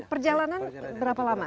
perjalanan berapa lama